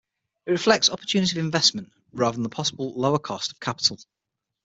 It reflects opportunity cost of investment, rather than the possibly lower cost of capital.